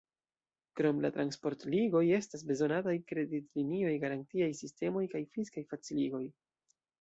Krom la transportligoj estas bezonataj kreditlinioj, garantiaj sistemoj kaj fiskaj faciligoj.